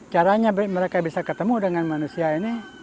caranya mereka bisa ketemu dengan manusia ini